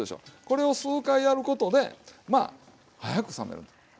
これを数回やることで早く冷めるというね。